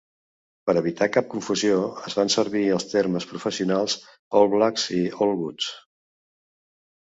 Per evitar cap confusió, es fan servir els termes professionals All Blacks i All Golds.